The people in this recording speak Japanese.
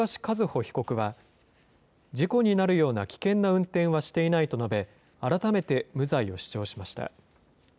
和歩被告は、事故になるような危険な運転はしていないと述べ、改めて無罪を主張しました。